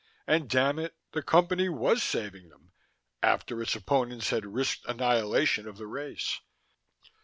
And damn it, the Company was saving them, after its opponents had risked annihilation of the race.